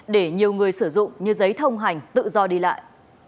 để nhiều người sử dụng như giấy thông hành tự do đi lại